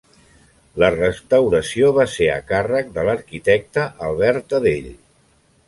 La restauració va ser a càrrec de l'arquitecte Albert Adell.